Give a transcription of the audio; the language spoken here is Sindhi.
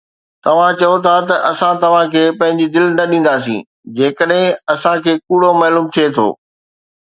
توهان چئو ٿا ته اسان توهان کي پنهنجي دل نه ڏينداسين جيڪڏهن اسان کي ڪوڙو معلوم ٿئي ٿو